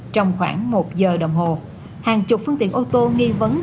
trong khoảng một giờ đồng hồ hàng chục phương tiện ô tô nghi vấn